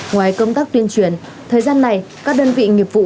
ngoài công tác tuyên truyền thời gian này các đơn vị nghiệp vụ